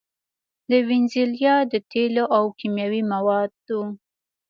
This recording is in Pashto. د وينزويلا د تېلو او کيمياوي موادو